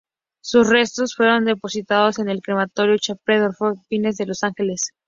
Sus restos fueron depositados en el Crematorio Chapel of the Pines de Los Ángeles.